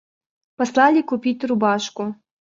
Послали купить рубашку.